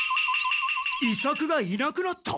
伊作がいなくなった？